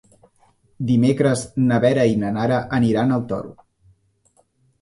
Dimecres na Vera i na Nara aniran al Toro.